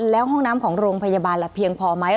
แล้วห้องน้ำของโรงพยาบาลล่ะเพียงพอไหม